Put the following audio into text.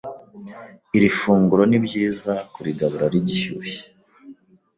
iri funguro ni byiza kurigabura rigishyushye